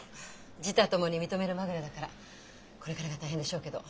自他ともに認める「まぐれ」だからこれからが大変でしょうけど。